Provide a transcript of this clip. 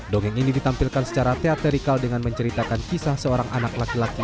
dongeng ini ditampilkan secara teaterikal dengan menceritakan kisah seorang anak laki laki